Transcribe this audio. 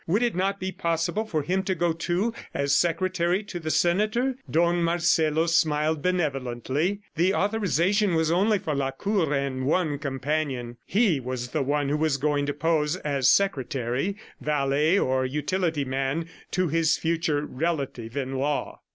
Would it not be possible for him to go, too, as secretary to the senator? ... Don Marcelo smiled benevolently. The authorization was only for Lacour and one companion. He was the one who was going to pose as secretary, valet or utility man to his future relative in law.